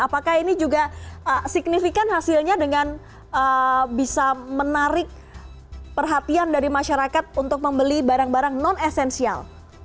apakah ini juga signifikan hasilnya dengan bisa menarik perhatian dari masyarakat untuk membeli barang barang non esensial